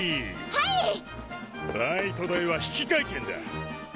バイト代は引換券だ。